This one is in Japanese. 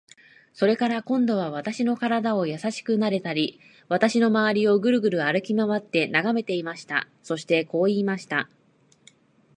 それから、今度は私の身体をやさしくなでたり、私のまわりをぐるぐる歩きまわって眺めていました。そしてこう言いました。